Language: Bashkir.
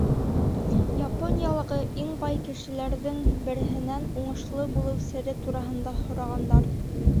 Япониялағы иң бай кешеләрҙең береһенән уңышлы булыу сере тураһында һорағандар.